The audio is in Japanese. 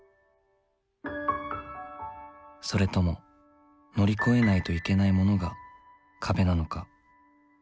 それとも乗り越えないといけないものが壁なのか。